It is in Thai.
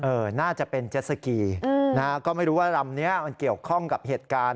น่าจะเป็นเจ็ดสกีนะฮะก็ไม่รู้ว่าลำนี้มันเกี่ยวข้องกับเหตุการณ์